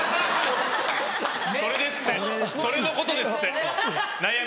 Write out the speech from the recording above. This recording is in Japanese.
それですってそれのことですって悩みが。